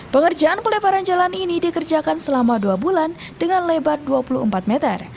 pengerjaan pelebaran jalan ini dikerjakan selama dua bulan dengan lebar dua puluh empat meter